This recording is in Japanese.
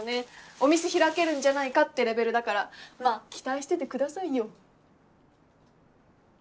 お店開けるんじゃないかってレベルだからまぁ期待しててくださいよ。